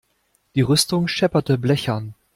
Die Rüstung schepperte blechern.